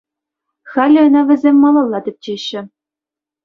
Халӗ ӑна вӗсем малалла тӗпчеҫҫӗ.